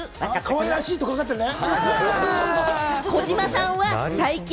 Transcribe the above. かわいらしいとかかっているね。